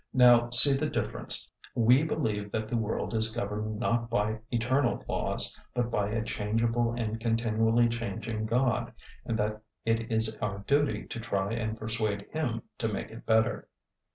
Now see the difference. We believe that the world is governed not by eternal laws, but by a changeable and continually changing God, and that it is our duty to try and persuade Him to make it better.